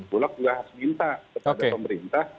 bulog juga harus minta kepada pemerintah